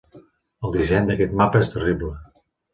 El disseny d'aquest mapa és terrible.